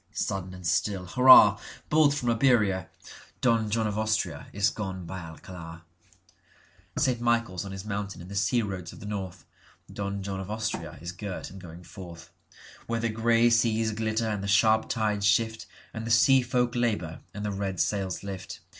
Sudden and still—hurrah! Bolt from Iberia! Don John of AustriaIs gone by Alcalar.St. Michaels on his Mountain in the sea roads of the north(Don John of Austria is girt and going forth.)Where the grey seas glitter and the sharp tides shiftAnd the sea folk labour and the red sails lift.